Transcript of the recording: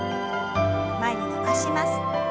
前に伸ばします。